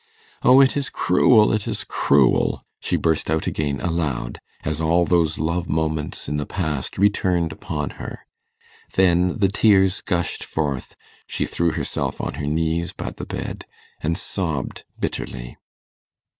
'Oh, it is cruel, it is cruel!' she burst out again aloud, as all those love moments in the past returned upon her. Then the tears gushed forth, she threw herself on her knees by the bed, and sobbed bitterly.